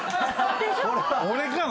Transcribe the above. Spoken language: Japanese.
俺かな？